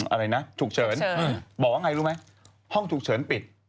อะไรนะฉุกเฉินบอกว่าไงรู้ไหมห้องฉุกเฉินปิด